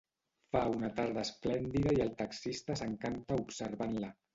Fa una tarda esplèndida i el taxista s'encanta observant-la.